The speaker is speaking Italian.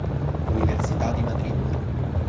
Università di Madrid